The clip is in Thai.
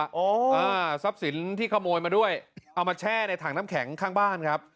อ๋ออ่าทรัพย์สินที่ขโมยมาด้วยเอามาแช่ในถังน้ำแข็งข้างบ้านครับ